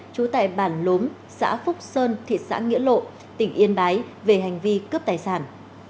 trú tại bản lốm xã phúc sơn thị xã nghĩa lộ tỉnh yên bái về hành vi cướp tài sản